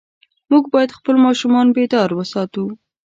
موږ باید خپل ماشومان بیدار وساتو.